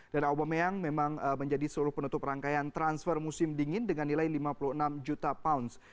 dan aubameyang memang menjadi seluruh penutup rangkaian transfer musim dingin dengan nilai lima puluh enam juta pound